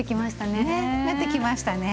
ねなってきましたね。